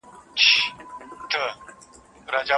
دغه بزګر په خپل کار کې ډیر مهارت لري.